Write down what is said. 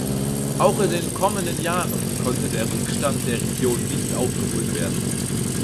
Auch in den kommenden Jahren konnte der Rückstand der Region nicht aufgeholt werden.